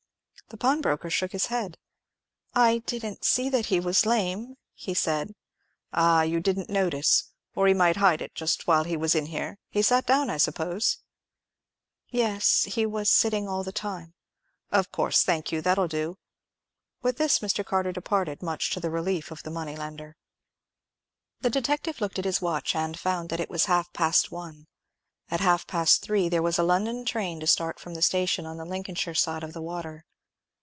The pawnbroker shook his head. "I didn't see that he was lame," he said. "Ah, you didn't notice; or he might hide it just while he was in here. He sat down, I suppose?" "Yes; he was sitting all the time." "Of course. Thank you; that'll do." With this Mr. Carter departed, much to the relief of the money lender. The detective looked at his watch, and found that it was half past one. At half past three there was a London train to start from the station on the Lincolnshire side of the water.